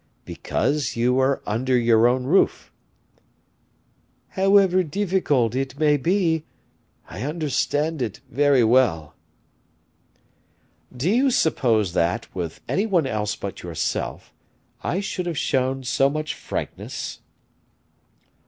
"Because you are under your own roof." "However difficult it may be, I understand it very well." "Do you suppose that, with any one else but yourself, I should have shown so much frankness?"